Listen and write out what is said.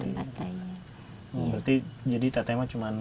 berarti jadi teteh cuma